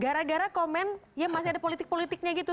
gara gara komen ya masih ada politik politiknya gitu